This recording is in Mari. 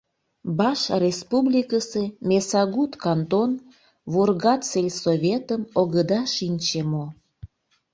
Башреспубликысе Месагут кантон, Вургат сельсоветым огыда шинче мо?